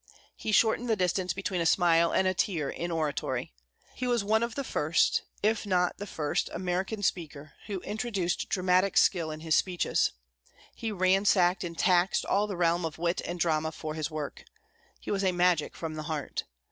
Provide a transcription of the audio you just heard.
He shortened the distance between a smile and a tear in oratory. He was one of the first, if not the first, American speaker who introduced dramatic skill in his speeches. He ransacked and taxed all the realm of wit and drama for his work. His was a magic from the heart.